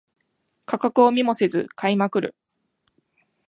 価格を見もせず買いまくる